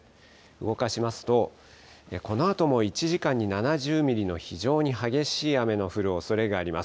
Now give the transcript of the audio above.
動かしますと、このあとも１時間に７０ミリの非常に激しい雨の降るおそれがあります。